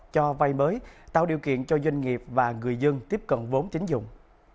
cho vay mới tạo điều kiện cho doanh nghiệp và người dân tiếp cận vốn chính dụng